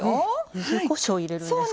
ゆずこしょう入れるんですか。